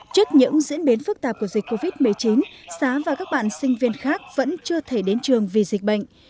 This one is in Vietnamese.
trước những diễn biến phức tạp của dịch covid một mươi chín xá và các bạn sinh viên khác vẫn chưa thể đến trường vì dịch bệnh